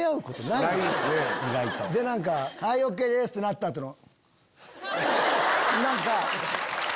「はいＯＫです」ってなった後の。